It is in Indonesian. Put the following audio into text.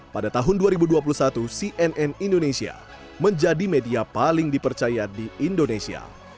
pada tahun dua ribu dua puluh satu cnn indonesia menjadi media paling dipercaya di indonesia